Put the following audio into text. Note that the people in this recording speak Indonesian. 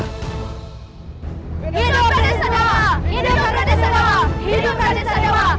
hidup pradensa dewa hidup pradensa dewa